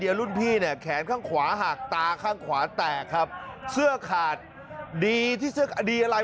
จริงจริงจริงจริงจริงจริงจริงจริง